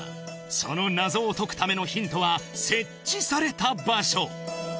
その謎を解くためのヒントは設置された場所